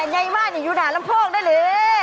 ไยม่านอยู่อยู่หนาลำโพงได้เลย